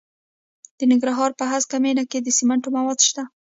د ننګرهار په هسکه مینه کې د سمنټو مواد شته.